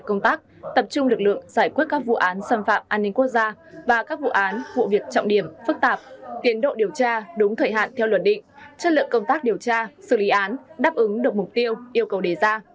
công tác lực lượng giải quyết các vụ án xâm phạm an ninh quốc gia và các vụ án vụ việc trọng điểm phức tạp tiến độ điều tra đúng thời hạn theo luật định chất lượng công tác điều tra xử lý án đáp ứng được mục tiêu yêu cầu đề ra